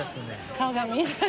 顔が見えない。